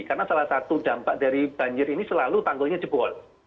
karena salah satu dampak dari banjir ini selalu tanggulnya jebol